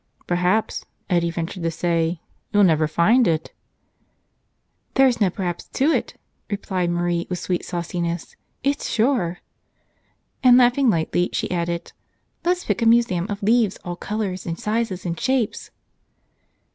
"Perhaps," Eddie ventured to say, "you'll never find it." "There's no perhaps to it," replied Marie with sweet sauciness, "it's sure!" And laughing lightly, she added : "Let's pick a museum of leaves, all colors and sizes and shapes."